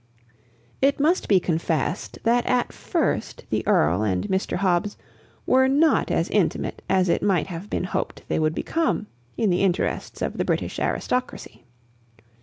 It must be confessed that at first the Earl and Mr. Hobbs were not as intimate as it might have been hoped they would become, in the interests of the British aristocracy.